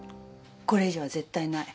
これ以上は絶対ない。